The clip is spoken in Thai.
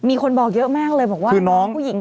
มีคนบอกเยอะมากเลยบอกว่าผู้หญิงเก่งนะ